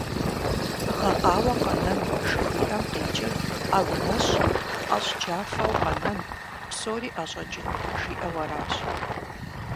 «Гъэкъауэ къэнэн» жыхуиӏэм къикӏыр Ӏэгу нэщӀ ӀэщӀ джафэу къэнэн, псори ӀэщӀэкӀын жиӏэу аращ.